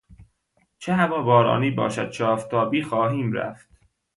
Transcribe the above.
چه هوا بارانی باشد چه آفتابی خواهیم رفت.